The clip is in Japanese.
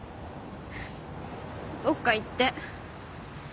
どっか行って。